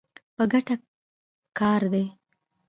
په ګټه کار دی.